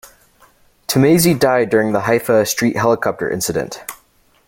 Tumeizi died during the Haifa Street helicopter incident.